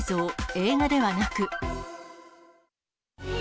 映画ではなく。